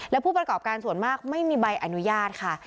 และผู้ประกอบการส่วนมากไม่มีใบอนุญาตค่ะ